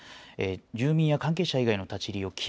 住民や関係者以外の立ち入りを厳